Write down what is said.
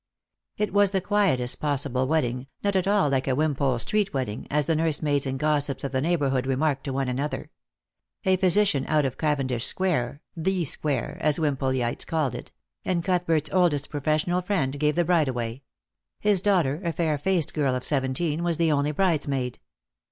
It was the quietest possible wedding, not at all like a Wim. pole street wedding, as the nursemaids and gossips of the neighbourhood remarked to one another. A physician out of Cavendish square — the square, as Wimpoleites called it — and Cuthbert's oldest professional friend, gave the bride away; his daughter, a fair faced girl of seventeen, was the only brides maid.